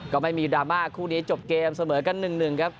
ก็ไม่มีดราม่าคู่นี้จบเกมเสมอกัน๑๑ครับ